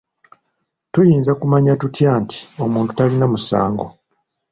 Tuyinza kumanya tutya nti omuntu talina musango?